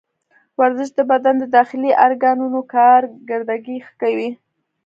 ورزش د بدن د داخلي ارګانونو کارکردګي ښه کوي.